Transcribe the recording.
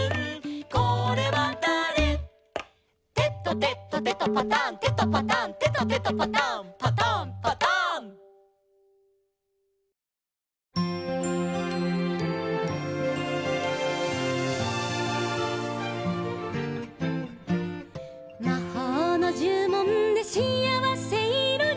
「てとてとてとパタンてとパタン」「てとてとパタンパタンパタン」「まほうのじゅもんでしあわせいろに」